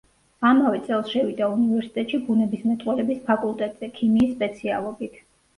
ამავე წელს შევიდა უნივერსიტეტში ბუნებისმეტყველების ფაკულტეტზე ქიმიის სპეციალობით.